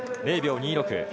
０秒２６。